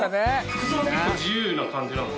服装も結構自由な感じなの？